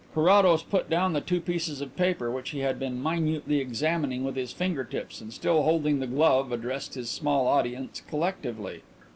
Carrados put down the two pieces of paper which he had been minutely examining with his finger tips and still holding the glove addressed his small audience collectively.